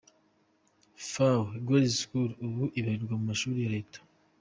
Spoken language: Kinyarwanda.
Fawe Girls School ubu ibarirwa mu mashuri ya leta.